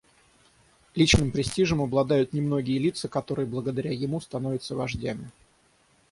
Личным престижем обладают немногие лица, которые благодаря ему становятся вождями.